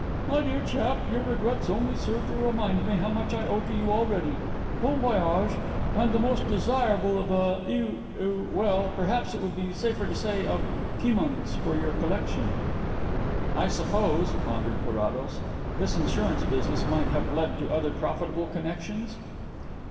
"My dear chap, your regrets only serve to remind me how much I owe to you already. Bon voyage, and the most desirable of Eu Eu well, perhaps it would be safer to say, of Kimons, for your collection." "I suppose," pondered Carrados, "this insurance business might have led to other profitable connexions?"